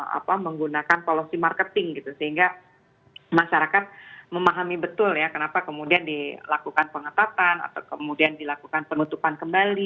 apa menggunakan policy marketing gitu sehingga masyarakat memahami betul ya kenapa kemudian dilakukan pengetatan atau kemudian dilakukan penutupan kembali